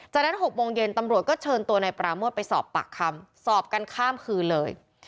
จากนั้น๖โมงเย็นตำรวจก็เชิญตัวนายปราโมทไปสอบปากคำสอบกันข้ามคืนเลย